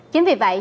chính vì vậy